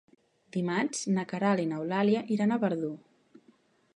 Dimarts na Queralt i n'Eulàlia iran a Verdú.